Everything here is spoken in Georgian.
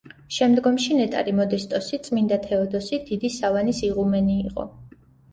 შემდგომში ნეტარი მოდესტოსი წმიდა თეოდოსი დიდის სავანის იღუმენი იყო.